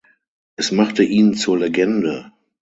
Es machte ihn zur Legende.